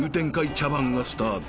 茶番がスタート］